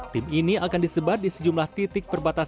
tim ini akan disebar di sejumlah titik perbatasan